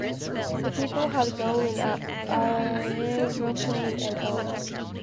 The people had blown it up, aeroplane and all!